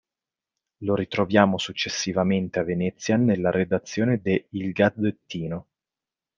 Lo ritroviamo successivamente a Venezia, nella redazione de "Il Gazzettino".